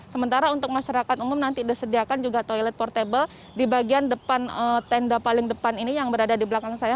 sementara untuk masyarakat umum nanti disediakan juga toilet portable di bagian depan tenda paling depan ini yang berada di belakang saya